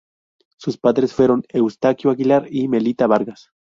Sus padres fueron Eustaquio Aguilar y Melita Vargas.